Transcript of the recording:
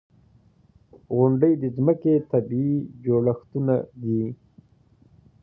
• غونډۍ د ځمکې طبعي جوړښتونه دي.